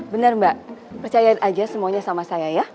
benar mbak percaya aja semuanya sama saya ya